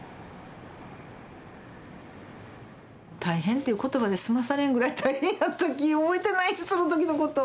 大変っていう言葉で済まされんぐらい大変やったき覚えてないその時のこと。